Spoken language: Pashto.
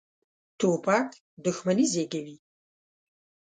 توپک دښمني زېږوي.